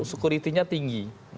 karena sekuritinya tinggi